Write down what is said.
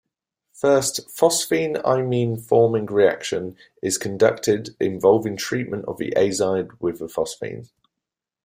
First phosphine imine-forming reaction is conducted involving treatment of the azide with the phosphine.